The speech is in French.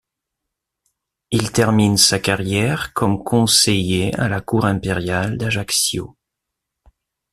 Il termine sa carrière comme conseiller à la cour impériale d'Ajaccio.